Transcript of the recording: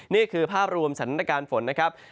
นี่คือภาพรวมสถานการณ์ฝนนะครับ